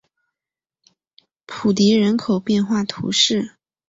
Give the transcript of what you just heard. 普迪人口变化图示